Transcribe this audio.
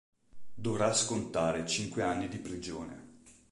Dovrà scontare cinque anni di prigione.